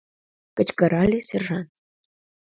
— кычкырале сержант.